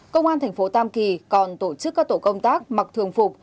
công an thành phố tam kỳ còn tổ chức các tổ công tác mặc thường phục